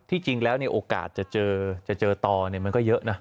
ที่จริงแล้วเนี่ยโอกาสจะเจอจะเจอต่อเนี่ยมันก็เยอะนะ